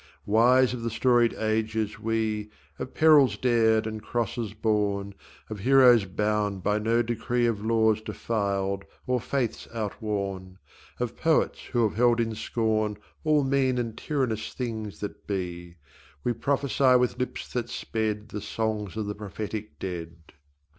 Wise of the storied ages we, Of perils dared and crosses borne, Of heroes bound by no decree Of laws defiled or faiths outworn, Of poets who have held in scorn All mean and tyrannous things that be; We prophesy with lips that sped The songs of the prophetic dead.